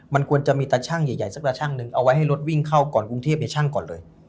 มันควรจะมีตาชั่งใหญ่สักตาชั่งหนึ่งเอาไว้ให้รถวิ่งเข้าก่อนกรุงเทพช่างก่อนเลย